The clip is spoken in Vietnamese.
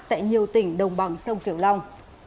tại nhiều tỉnh đồng bằng sông kiểu long